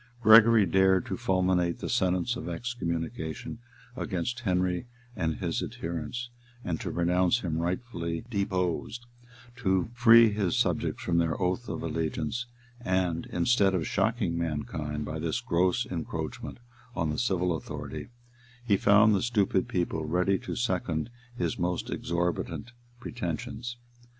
Gregory dared to fulminate the sentence of excommunication against Henry and his adherents, to pronounce him rightfully deposed, to free his subjects from their oath of allegiance; and, instead of shocking mankind by this gross encroachment on the civil authority, he found the stupid people ready to second his most exorbitant pretensions.